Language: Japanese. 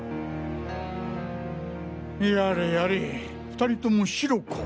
やれやれ２人ともシロか。